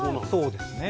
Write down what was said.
そうですね。